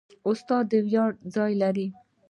استاد د ویاړ ځای لري.